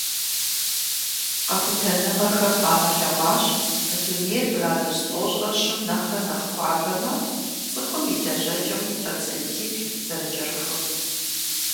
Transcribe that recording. Къэхутэныгъэхэм къагъэлъэгъуащ дунейр градус тӏощӏрэ щым нэхърэ нэхъ хуабэмэ, цӀыхум и лэжьэкӀэм процентиплӏ зэрыкӀэрыхур.